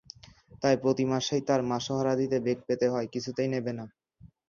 তাই প্রতি মাসেই তার মাসোহারা দিতে বেগ পেতে হয়—কিছুতেই নেবে না।